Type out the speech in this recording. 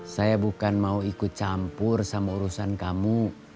saya bukan mau ikut campur sama urusan kamu